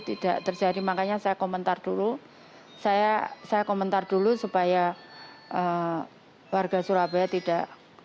tidak terjadi makanya saya komentar dulu saya saya komentar dulu supaya warga surabaya tidak